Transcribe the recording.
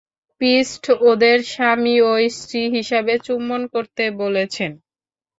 Priest ওদের স্বামী ও স্ত্রী হিসাবে চুম্বন করতে বলেছেন।